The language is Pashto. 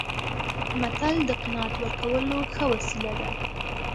متل د قناعت ورکولو ښه وسیله ده